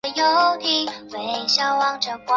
此地还有一处同名的山中小屋。